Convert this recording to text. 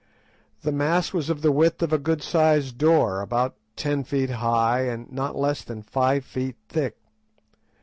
The mass was of the width of a good sized door, about ten feet high and not less than five feet thick.